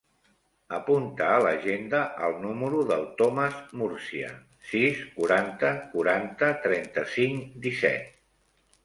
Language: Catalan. Apunta a l'agenda el número del Thomas Murcia: sis, quaranta, quaranta, trenta-cinc, disset.